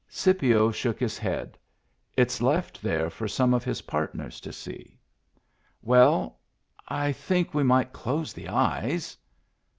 Scipio shook his head. " It's left there for some of his partners to see." " Well — I think we might close the eyes."